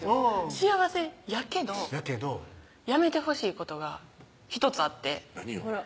幸せやけどやけどやめてほしいことが１つあって何よ？